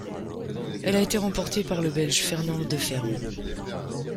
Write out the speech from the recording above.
Elle a été remportée par le Belge Fernand Deferm.